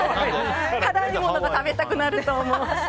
辛いものが食べたくなると思います。